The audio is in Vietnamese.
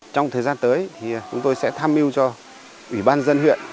trong thời gian tới thì chúng tôi sẽ tham mưu cho ủy ban dân huyện